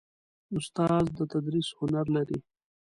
استاد د تدریس هنر لري.